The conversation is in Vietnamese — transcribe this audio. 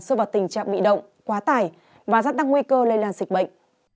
so với tình trạng bị động quá tải và giác tăng nguy cơ lây lan dịch bệnh